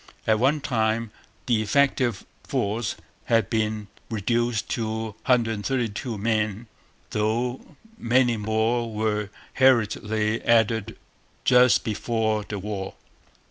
At one time the effective force had been reduced to 132 men; though many more were hurriedly added just before the war.